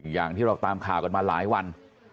อย่างที่เราตามข่าวกันมาหลายวัน